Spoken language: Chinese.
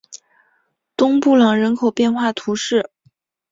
东布朗人口变化图示